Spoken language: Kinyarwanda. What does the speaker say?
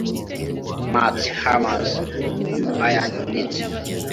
Mats Hummels (Bayern Munich)